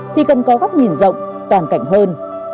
thì cần có góc nhìn rộng toàn cảnh hơn